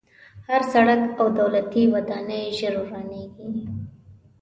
هر سړک او دولتي ودانۍ ژر ورانېږي.